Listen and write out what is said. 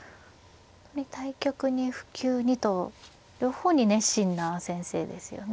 本当に対局に普及にと両方に熱心な先生ですよね。